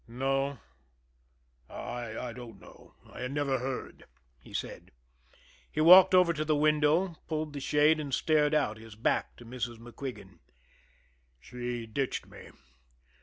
"No I don't know I never heard," he said. He walked over to the window, pulled the shade and stared out, his back to Mrs. MacQuigan. "She ditched me.